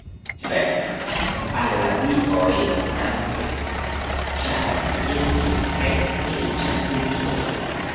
Fek, al la dioj danke! ĉar mi estis tre feliĉa pri tio.